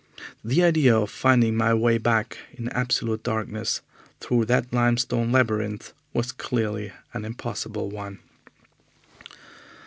The idea of finding my way back in absolute darkness through that limestone labyrinth was clearly an impossible one.